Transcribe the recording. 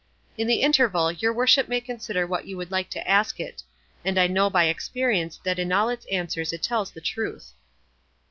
In the interval your worship may consider what you would like to ask it; and I know by experience that in all its answers it tells the truth."